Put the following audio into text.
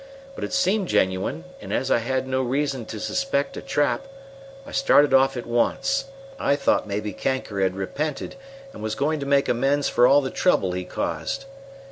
But it seemed genuine, and as I had no reason to suspect a trap, I started off at once. I thought maybe Kanker had repented and was going to make amends for all the trouble he caused.